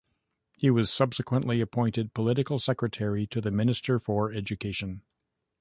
He was subsequently appointed political secretary to the Minister for Education.